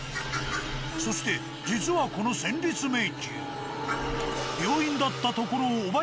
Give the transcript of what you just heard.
そして実はこの戦慄迷宮。